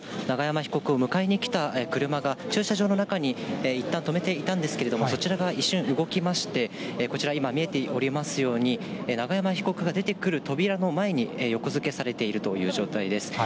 永山被告を迎えに来た車が駐車場の中にいったん止めていたんですけれども、そちらが一瞬動きまして、こちら、今見えておりますように、永山被告が出てくる扉の前に横付けされているという状態です。